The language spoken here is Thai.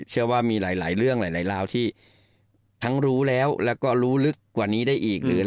เชื่อว่ามีหลายเรื่องหลายราวที่ทั้งรู้แล้วแล้วก็รู้ลึกกว่านี้ได้อีกหรือ